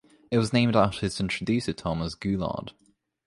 It was named after its introducer, Thomas Goulard.